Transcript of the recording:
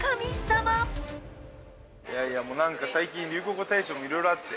いやいやもうなんか、最近、流行語大賞もいろいろあって。